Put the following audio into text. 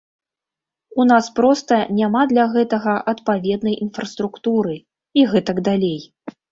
У нас проста няма для гэтага адпаведнай інфраструктуры і гэтак далей.